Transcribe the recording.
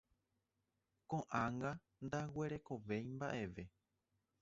Koʼág̃a ndaguerekovéi mbaʼeve.